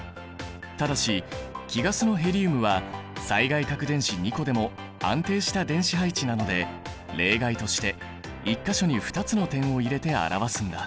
ただし貴ガスのヘリウムは最外殻電子２個でも安定した電子配置なので例外として１か所に２つの点を入れて表すんだ。